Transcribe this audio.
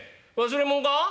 忘れもんか？」。